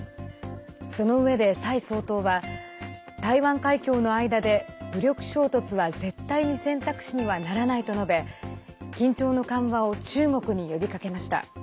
そのうえで、蔡総統は台湾海峡の間で武力衝突は絶対に選択肢にはならないと述べ緊張の緩和を中国に呼びかけました。